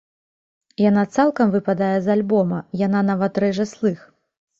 Яна цалкам выпадае з альбома, яна нават рэжа слых.